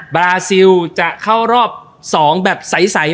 บราซิลจะเข้ารอบ๒แบบใส